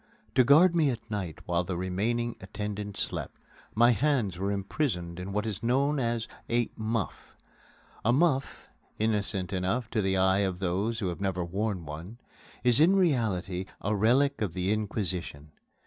To guard me at night while the remaining attendant slept, my hands were imprisoned in what is known as a "muff." A muff, innocent enough to the eyes of those who have never worn one, is in reality a relic of the Inquisition.